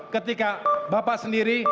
ketika bapak sendiri